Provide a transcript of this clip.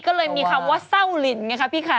ก็เลยมีคำว่าเศร้าลินไงคะพี่คะ